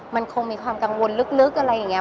มันคงมีความกังวลลึกอะไรอย่างนี้